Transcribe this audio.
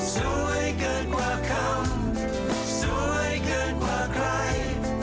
สวยเกินกว่าคำสวยเกินกว่าใคร